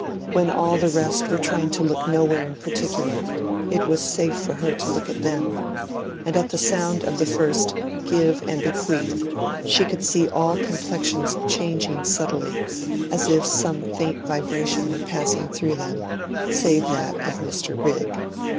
When all the rest were trying to look nowhere in particular, it was safe for her to look at them. And at the sound of the first "give and bequeath" she could see all complexions changing subtly, as if some faint vibration were passing through them, save that of Mr. Rigg.